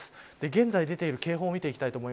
現在出ている警報です。